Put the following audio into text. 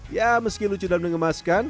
ya meski lucu dalam ngemas kan